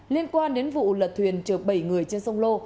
liên quan đến vụ lật thuyền chở bảy người trên sông lô